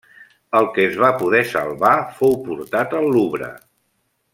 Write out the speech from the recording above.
El que es va poder salvar fou portat al Louvre.